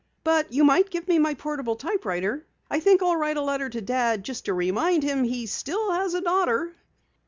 But you might give me my portable typewriter. I think I'll write a letter to Dad just to remind him he still has a daughter."